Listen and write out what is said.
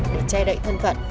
để che đậy thân phận